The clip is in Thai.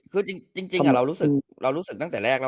คือจริงเรารู้สึกตั้งแต่แรก